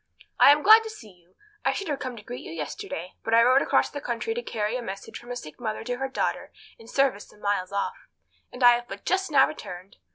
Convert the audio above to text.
"I am glad to see you. I should have come to greet you yesterday, but I rode across the country to carry a message from a sick mother to her daughter in service some miles off, and have but just now returned.